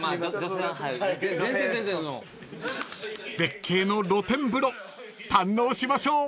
［絶景の露天風呂堪能しましょう］